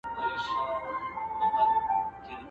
لکه جوړه له بلوړو مرغلینه٫